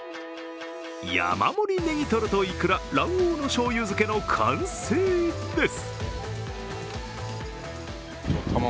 山盛りネギトロといくら、卵黄の醤油漬けの完成です。